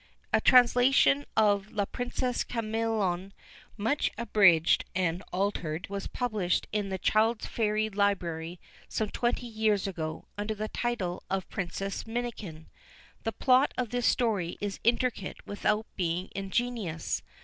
A translation of La Princesse Camion, much abridged and altered, was published in the Child's Fairy Library some twenty years ago, under the title of Princess Minikin. The plot of this story is intricate without being ingenious.